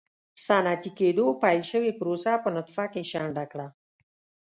صنعتي کېدو پیل شوې پروسه په نطفه کې شنډه کړه.